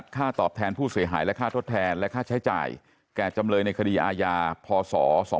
ค่าทดแทนและค่าใช้จ่ายแก่จำเลยในคดีอาญาพศ๒๕๔๔